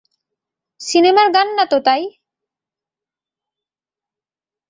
সিনেমার গান না তো তাই!